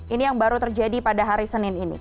ini yang baru terjadi pada hari senin ini